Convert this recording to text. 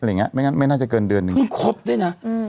อะไรเงี้ยไม่งั้นไม่น่าจะเกินเดือนหนึ่งครบได้น่ะอืม